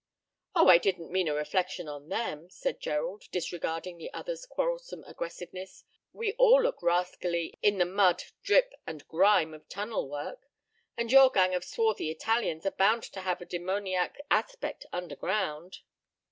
"O, I didn't mean a reflection on them," said Gerald, disregarding the other's quarrelsome aggressiveness. "We all look rascally in the mud, drip, and grime of tunnel work. And your gang of swarthy Italians are bound to have a demoniac aspect underground."